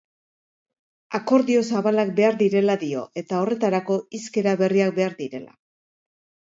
Akordio zabalak behar direla dio eta horretarako hizkera berriak behar direla.